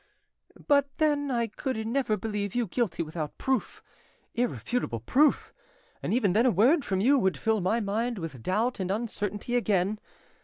"But then I could never believe you guilty without proof, irrefutable proof; and even then a word from you would fill my mind with doubt and uncertainty again.